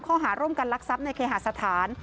ข้อหาร่วมกันลักทรัพย์ในเคหาสถาน